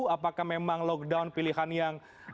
apakah memang lockdown pilihan yang